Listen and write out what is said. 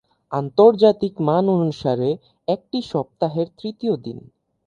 আন্তর্জাতিক মান অনুসারে একটি সপ্তাহের তৃতীয় দিন।